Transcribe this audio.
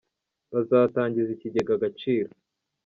bazatangiza ikigega Agaciro